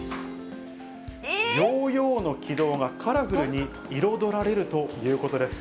ヨーヨーの軌道がカラフルに彩られるということです。